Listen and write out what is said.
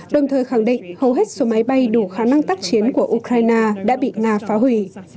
đồng thời khẳng định hầu hết số máy bay đủ khả năng tác chiến của ukraine đã bị nga phá hủy